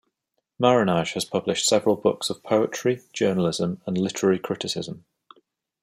Marinaj has published several books of poetry, journalism, and literary criticism.